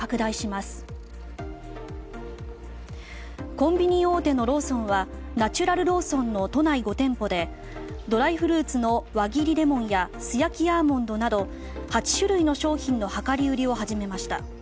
コンビニ大手のローソンはナチュラルローソンの都内５店舗でドライフルーツの輪切りレモンや素焼きアーモンドなど８種類の商品の量り売りを始めました。